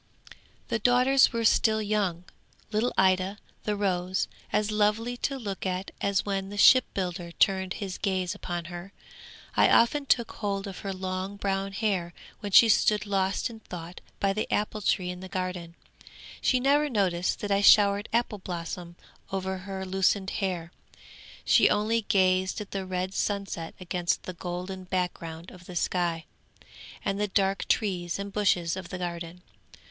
'The daughters were still young. Little Ida, the rose, as lovely to look at as when the shipbuilder turned his gaze upon her. I often took hold of her long brown hair when she stood lost in thought by the apple tree in the garden. She never noticed that I showered apple blossom over her loosened hair; she only gazed at the red sunset against the golden background of the sky, and the dark trees and bushes of the garden.